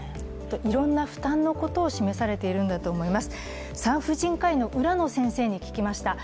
いろんな負担のことを示されているんだと思います。